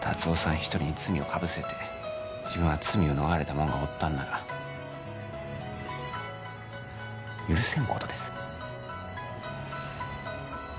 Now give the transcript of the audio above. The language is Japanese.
一人に罪をかぶせて自分は罪を逃れたもんがおったんなら許せんことですね